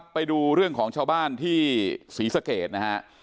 ไปดูเรื่องของชาวบ้านที่ศรีสะเกดนะฮะ